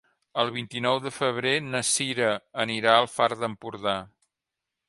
El vint-i-nou de febrer na Cira anirà al Far d'Empordà.